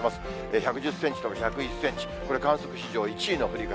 １１０センチとか１０１センチ、これ、観測史上１位の降り方。